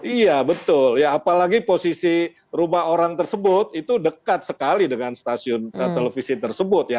iya betul ya apalagi posisi rumah orang tersebut itu dekat sekali dengan stasiun televisi tersebut ya